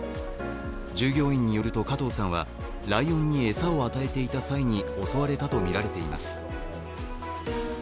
従業員によると、加藤さんはライオンに餌を与えていた際に襲われたとみられています